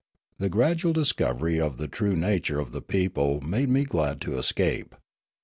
The gradual discovery of the true nature of the people made me glad to escape.